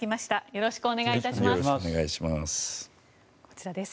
よろしくお願いします。